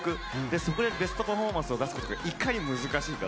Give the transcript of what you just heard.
そこでベストパフォーマンスを出すことがいかに難しいか。